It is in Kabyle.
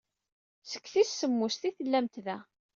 Seg tis semmuset ay tellamt da.